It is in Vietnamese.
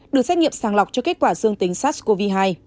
được xét nghiệm sàng lọc cho kết quả dương tính sars cov hai